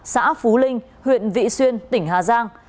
xã phú linh huyện vị xuyên tỉnh hà giang